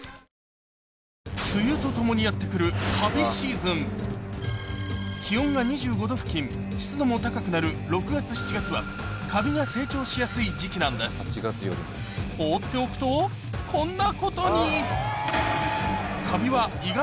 梅雨とともにやって来るカビシーズン気温が２５℃付近湿度も高くなる６月７月はカビが成長しやすい時期なんです放っておくとこんなことに！